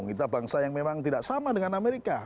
kita bangsa yang memang tidak sama dengan amerika